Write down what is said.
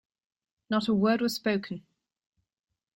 Not a word was spoken.